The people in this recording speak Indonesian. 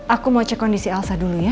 aku mau cek kondisi alsa dulu ya